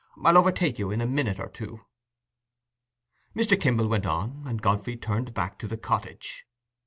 I'll overtake you in a minute or two." Mr. Kimble went on, and Godfrey turned back to the cottage.